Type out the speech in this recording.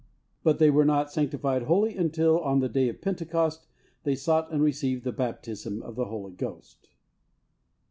But they were not sanctified wholly until on the day of Pentecost they sought and received the baptism of the Holy Ghost.